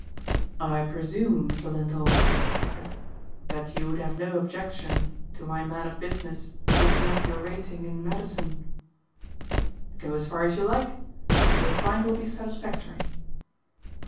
"I presume, Mr. Lindholm," he said, "that you would have no objection to my man of business looking up your rating in Madison?" "Go as far as you like. What you will find will be satisfactory."